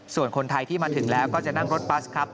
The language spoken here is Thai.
ส่วนคนไทยที่มาถึงแล้วก็จะนั่งรถบัสครับ